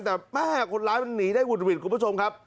แต่แม่คนร้ายมันหนีได้หุดหวิดคุณผู้ชมครับ